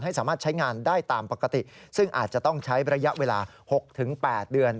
สามารถใช้งานได้ตามปกติซึ่งอาจจะต้องใช้ระยะเวลา๖๘เดือน